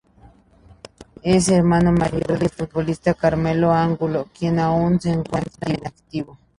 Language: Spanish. Es hermano mayor del futbolista Carmelo Angulo, quien aún se encuentra en activo.